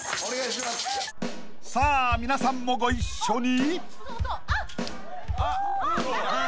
［さあ皆さんもご一緒に］